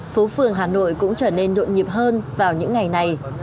phố phường hà nội cũng trở nên nhộn nhịp hơn vào những ngày này